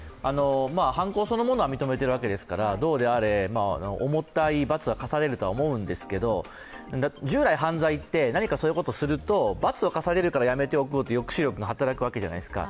犯行そのものは認めているわけですからどうであれ重たい罰は科されると思うんですけど従来、犯罪って、何かそういうことをすると罰を科されるからやめておくという抑止力が働くわけじゃないですか。